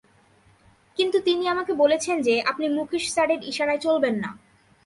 কিন্তু তিনি আমাকে বলেছেন যে আপনি মুকেশ স্যারের ইশারায় চলবেন না।